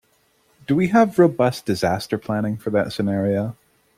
Do we have robust disaster planning for that scenario?